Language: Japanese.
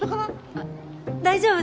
あっ大丈夫です。